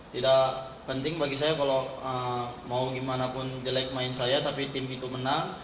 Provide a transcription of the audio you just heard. tidak penting bagi saya kalau mau gimana pun jelek main saya tapi tim itu menang